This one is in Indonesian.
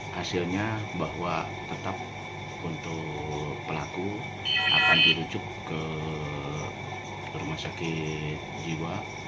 hasilnya bahwa tetap untuk pelaku akan dirujuk ke rumah sakit jiwa